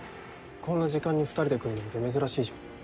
こんな時間に２人で来るなんて珍しいじゃん。